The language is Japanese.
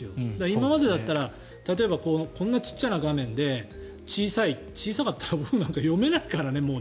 今までだったら例えば、こんなちっちゃな画面で小さかったら僕なんかは読めないからね。